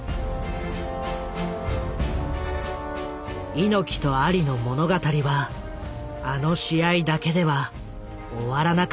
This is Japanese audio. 猪木とアリの物語はあの試合だけでは終わらなかった。